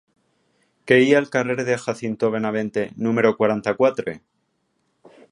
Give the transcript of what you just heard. Què hi ha al carrer de Jacinto Benavente número quaranta-quatre?